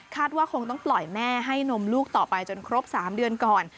ว่าคงต้องปล่อยแม่ให้นมลูกต่อไปจนครบ๓เดือนก่อน